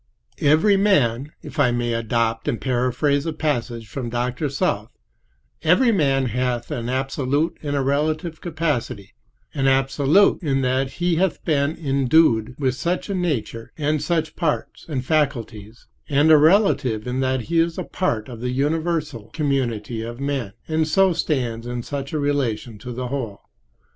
VI Every man—if I may adopt and paraphrase a passage from Dr. South—every man hath both an absolute and a relative capacity: an absolute in that he hath been endued with such a nature and such parts and faculties; and a relative in that he is part of the universal community of men, and so stands in such a relation to the whole.